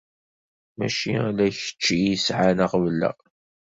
Mačči ala kečč i yesɛan aɣbel-a.